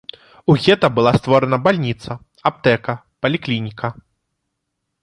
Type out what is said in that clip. У гета была створана бальніца, аптэка, паліклініка.